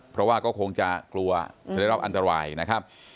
เพราะว่าก็คงจะกลัวจะได้รับอันตรายนะครับ